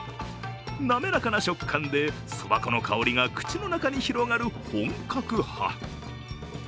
滑かな食感で、そば粉の香りが口のん中に広がる本格派。